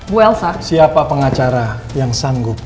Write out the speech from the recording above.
bu elsa siapa pengacara yang sanggup